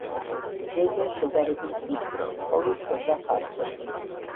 ზედა შედარებით ვიწრო, ხოლო ქვედა ფართო.